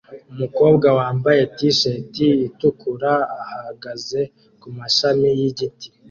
Umukobwa wambaye t-shati itukura ahagaze kumashami yigiti